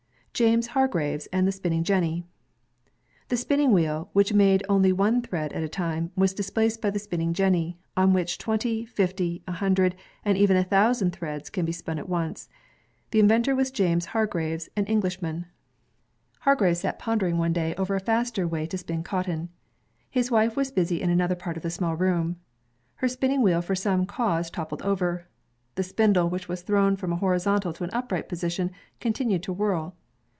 Jaues Hargreaves and the Spinning Jenny The spinning wheel, which made only one thread at a time, was displaced by the spinning jenny, on which twenty, fifty, a hundred, and even a thousand threads can be spun at once. The inventor was James Hargreaves, an Englishman. Hargreaves sat pondering one day over a faster way to SPINNING MACHINES 91 spin cotton. His wife was busy in another part of the small room. Her spinning wheel for some cause toppled over. The spindle, which was thrown from a horizontal to an upright posi tion, continued to whirl.